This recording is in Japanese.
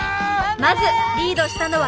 まずリードしたのはきわさん！